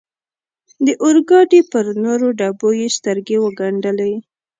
د اورګاډي پر نورو ډبو یې سترګې و ګنډلې.